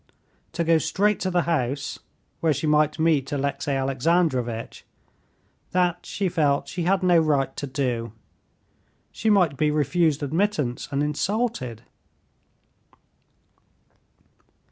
To go straight to the house, where she might meet Alexey Alexandrovitch, that she felt she had no right to do. She might be refused admittance and insulted.